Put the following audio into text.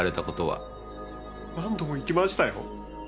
何度も行きましたよ。